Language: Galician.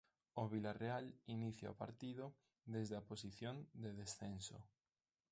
O Vilarreal inicia o partido desde a posición de descenso.